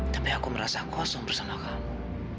tapi aku merasa kosong bersama kami